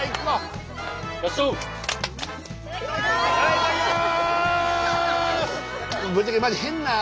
いただきます！